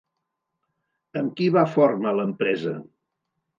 Amb qui va forma l'empresa?